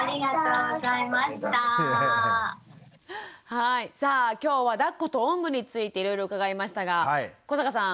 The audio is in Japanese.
はいさあ今日はだっことおんぶについていろいろ伺いましたが古坂さん